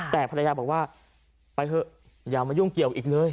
แต่ภรรยาบอกว่าไปเถอะอย่ามายุ่งเกี่ยวอีกเลย